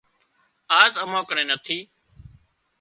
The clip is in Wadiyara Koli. آز امان ڪنين نٿي